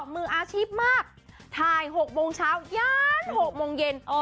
มืออาชีพมากถ่าย๖โมงเช้าย่าน๖โมงเย็น